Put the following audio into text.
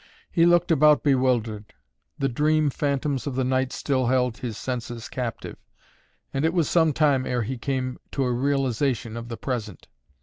He looked about bewildered. The dream phantoms of the night still held his senses captive, and it was some time ere he came to a realization of the present.